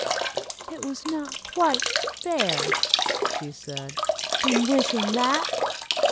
"It was not quite fair," she said, "in wishing that!"